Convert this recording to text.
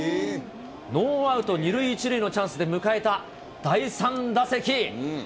ノーアウト２塁１塁のチャンスで迎えた第３打席。